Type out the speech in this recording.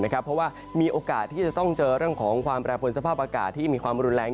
เพราะว่ามีโอกาสที่จะต้องเจอเรื่องของความแปรผลสภาพอากาศที่มีความรุนแรง